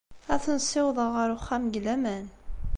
Ad ten-ssiwḍeɣ ɣer uxxam deg laman.